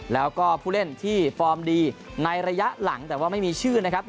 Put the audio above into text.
แล้วก็ผู้เล่นที่ฟอร์มดีในระยะหลังแต่ว่าไม่มีชื่อนะครับ